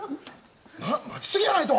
待ちすぎやないと？